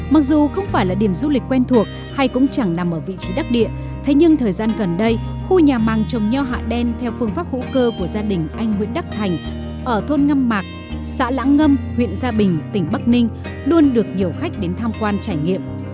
mặc dù không phải là điểm du lịch quen thuộc hay cũng chẳng nằm ở vị trí đắc địa thế nhưng thời gian gần đây khu nhà màng trồng nho hạ đen theo phương pháp hữu cơ của gia đình anh nguyễn đắc thành ở thôn ngâm mạc xã lãng ngâm huyện gia bình tỉnh bắc ninh luôn được nhiều khách đến tham quan trải nghiệm